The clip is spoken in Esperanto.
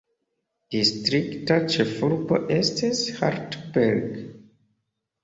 Distrikta ĉefurbo estis Hartberg.